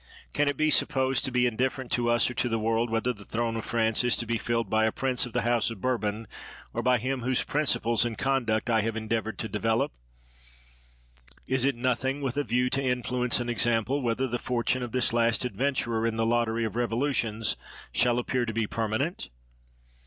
Can it be supposed to be indifferent to us or to the world whether the throne of France is to be filled by a prince of the house of Bour bon or by him whose principles and conduct I have endeavored to develop ? Is it nothing, with a view to influence and example, whether the fortune of this last adventurer in the lottery of revolutions shall appear to be permanent?